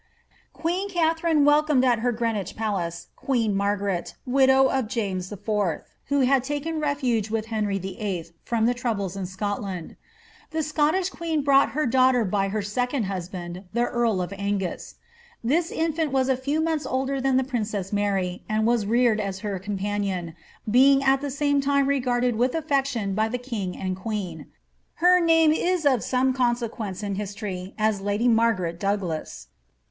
Qjaeen Katharine welcomed at her Greenwich Palace queen Maigiret, widow of James IV., who had taken refuge with Henry VIII. from ths troubles in Scotland. The Scottish queen brought her daughter by her second husband, the earl of Angus. This infant was a few months older than the princess Mary, and was reared as her companion, being at the same time regarded with aflection by the king and queen. Her name if of some consequence in history as lady jVIargaret Douglas.